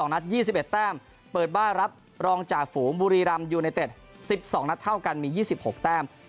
นัด๒๑แต้มเปิดบ้านรับรองจากฝูงบุรีรำยูไนเต็ด๑๒นัดเท่ากันมี๒๖แต้ม